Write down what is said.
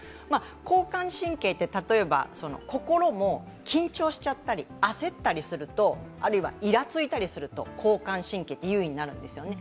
交感神経って、例えば心も緊張しちゃったり焦ったりすると、あるいは、いらついたりすると交感神経って優位になるんですよね。